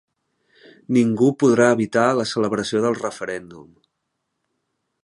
Ningú podrà evitar la celebració del referèndum.